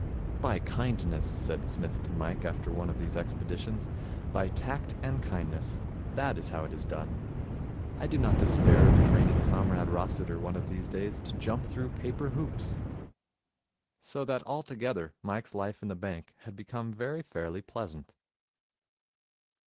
'By kindness,' said Psmith to Mike, after one of these expeditions. 'By tact and kindness. That is how it is done. I do not despair of training Comrade Rossiter one of these days to jump through paper hoops.' So that, altogether, Mike's life in the bank had become very fairly pleasant.